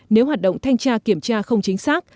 nếu hoạt động thanh tra kiểm tra không chính xác